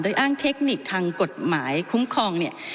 อ้างเทคนิคทางกฎหมายคุ้มครองเนี่ย